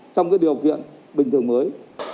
trong cái điều kiện bình thường mới